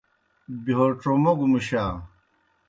بہیو ڇوموگوْ مُشا۔